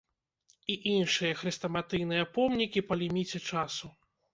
І іншыя хрэстаматыйныя помнікі па ліміце часу.